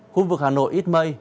khu vực hà nội ít mây